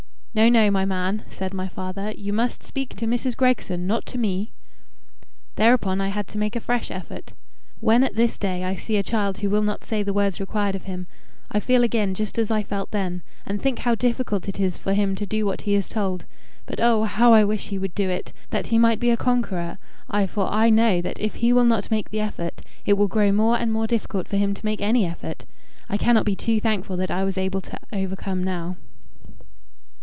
"No no, my man," said my father; "you must speak to Mrs. Gregson, not to me." Thereupon I had to make a fresh effort. When at this day I see a child who will not say the words required of him, I feel again just as I felt then, and think how difficult it is for him to do what he is told; but oh, how I wish he would do it, that he might be a conqueror I for I know that if he will not make the effort, it will grow more and more difficult for him to make any effort. I cannot be too thankful that I was able to overcome now.